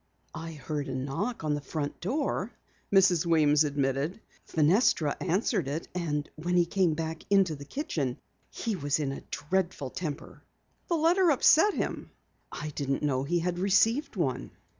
"I heard a knock on the front door," Mrs. Weems admitted. "Fenestra answered it, and when he came back into the kitchen he was in a dreadful temper." "The letter upset him?" "I didn't know he had received one."